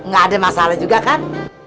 gak ada masalah juga kan